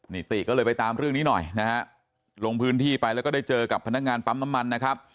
ติก็เลยไปตามเรื่องนี้หน่อยนะฮะลงพื้นที่ไปแล้วก็ได้เจอกับพนักงานปั๊มน้ำมันนะครับ